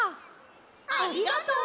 ありがとう！